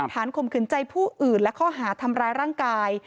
ข่มขืนใจผู้อื่นและข้อหาทำร้ายร่างกาย